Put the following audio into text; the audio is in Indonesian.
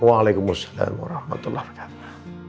waalaikumsalam warahmatullahi wabarakatuh